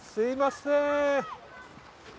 いません。